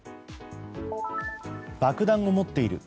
爆弾を持っている。